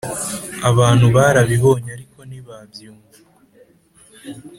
Abantu barabibonye ariko ntibabyumva;